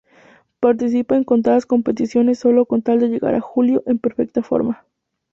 Participa en contadas competiciones solo con tal de llegar a julio en perfecta forma.